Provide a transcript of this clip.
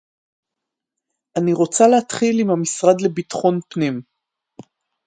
אני רוצה להתחיל עם המשרד לביטחון פנים